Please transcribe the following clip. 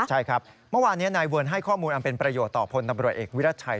ใช่ครับเมื่อวานนี้นายเวิร์นให้ข้อมูลอันเป็นประโยชน์ต่อพลตำรวจเอกวิรัชชัย